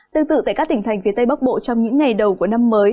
tương tự tại các tỉnh thành phía tây bắc bộ trong những ngày đầu của năm mới